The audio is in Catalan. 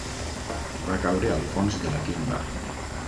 Va caure al fons de la timba.